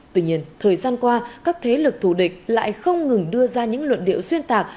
tuy nhiên thời gian qua các thế lực thù địch lại không ngừng đưa ra những luận điệu xuyên tạc